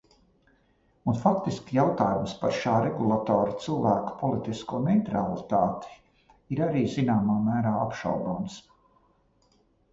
Un faktiski jautājums par šā regulatora cilvēku politisko neitralitāti ir arī zināmā mērā apšaubāms.